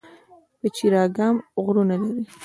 پچیر اګام غرونه لري؟